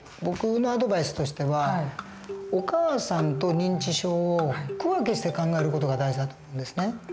僕のアドバイスとしてはお母さんと認知症を区分けして考える事が大事だと思うんですね。